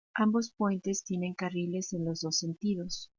Ambos puentes tienen carriles en los dos sentidos.